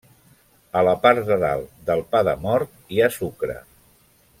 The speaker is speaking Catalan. A la part de dalt del pa de mort hi ha sucre.